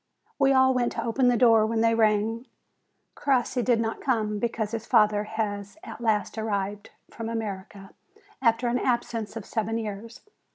We all went to open the door when they rang. Crossi did not come, because his father has at last arrived from THE TRAIN OF CARS 121 America, after an absence of seven years.